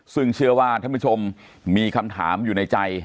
ซึ่งเชื่อว่าท่านผู้ชมมีคำถามอยู่ในใจ